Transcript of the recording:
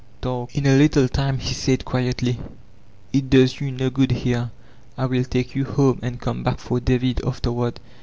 Talk." In a little time he said quietly: "It does yoa no good here. I will take you home and come back for David afterward."